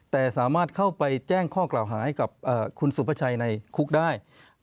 แต่สามารถเข้าไปแจ้งข้อกล่าวหาให้กับคุณสุภาชัยในคุกได้